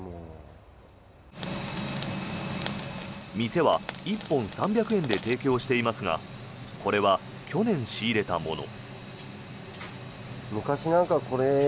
店は１本３００円で提供していますがこれは去年仕入れたもの。